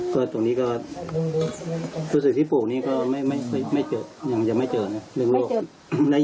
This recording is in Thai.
ก็ตรงนี้ก็รู้สึกที่ปลูกนี้ก็ยังไม่เจอน่ะคือโรค